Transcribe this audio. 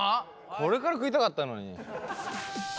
これから食いたかったのに。